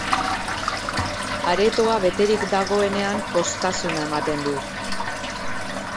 Aretoa beterik dagoenean poztasuna ematen du.